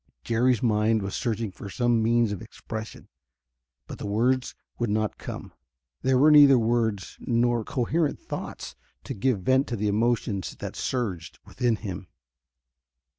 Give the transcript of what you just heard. Jerry's mind was searching for some means of expression, but the words would not come. There were neither words nor coherent thoughts to give vent to the emotions that surged within him.